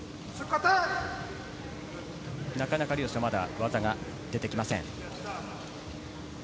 なかなか両者、まだ技が出てきません。